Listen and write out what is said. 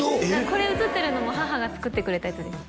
これうつってるのも母が作ってくれたやつです